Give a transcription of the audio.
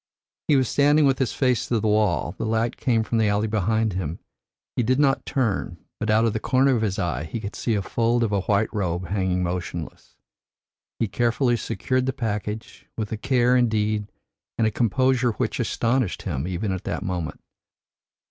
"He was standing with his face to the wall, the light came from the alley behind him. He did not turn, but out of the corner of his eye he could see a fold of a white robe hanging motionless. He carefully secured the package, with a care indeed and a composure which astonished him even at that moment.